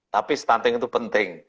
tapi stunting itu penting